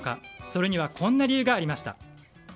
それにはこんな理由がありました。